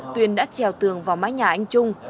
tuyền đã treo tường vào mái nhà anh trung